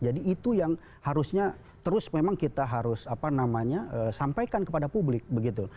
jadi itu yang harusnya terus memang kita harus apa namanya sampaikan kepada publik begitu